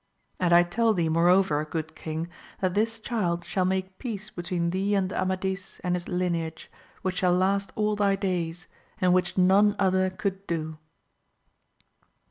And I tell thee moreover good king that this child shall make peace between thee and Amadis and his lineage, which shall last all thy days, and which none other could do.